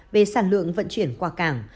về sản lượng vận chuyển qua cảng